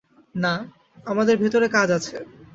না, আমাদের ভেতরে কাজ আছে।